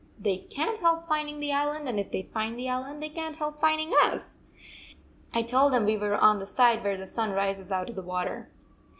"They can t help finding the island, and if they find the island, they can t help finding us. I told them we were on the side where the sun rises out of the water."